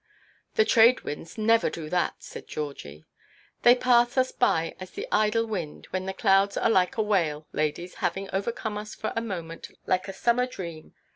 "The trade–winds never do that," said Georgie. "They pass us by as the idle wind, when the clouds are like a whale, ladies, having overcome us for a moment, like a summer dream.